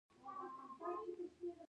آیا غنم د کوکنارو ګټه پوره کوي؟